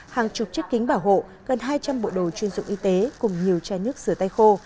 hàng chục chiếc kính bảo hộ gần hai trăm linh bộ đồ chuyên dụng y tế cùng nhiều chai nước sửa tay khô